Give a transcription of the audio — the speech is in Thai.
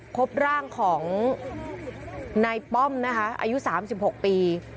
พบร่างของนายป้อมนะคะอายุ๓๖ปี